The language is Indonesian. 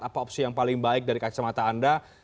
apa opsi yang paling baik dari kacamata anda